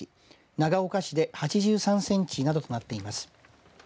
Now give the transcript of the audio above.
長岡市で８３センチなどとなっています。